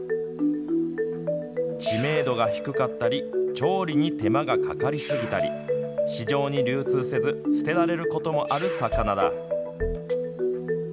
知名度が低かったり調理に手間がかかりすぎたり市場に流通せず捨てられることもある魚だ。